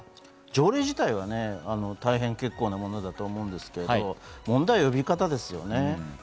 条例自体は大変結構なものだと思うんですが問題は呼び方ですよね。